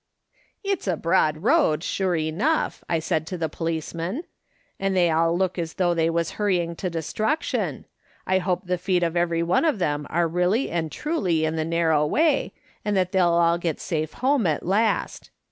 "'It's a broad road, sure enough,' I said to the policeman, ' and they all look as though they was hurrying to destruction ; I hope the feet of every cue of them are really and truly in the narrow way, and that they'll all get safe home at last.'